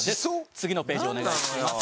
次のページお願いします。